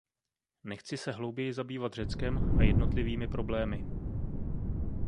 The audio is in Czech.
Nechci se hlouběji zabývat Řeckem a jednotlivými problémy.